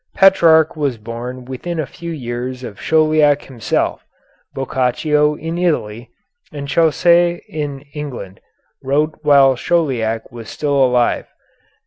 Petrarch was born within a few years of Chauliac himself; Boccaccio in Italy, and Chaucer in England, wrote while Chauliac was still alive.